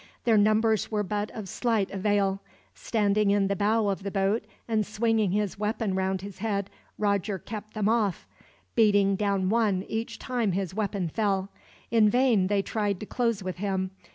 Their numbers were but of slight avail. Standing in the bow of the boat, and swinging his weapon round his head, Roger kept them off; beating down one, each time his weapon fell. In vain they tried to close with him.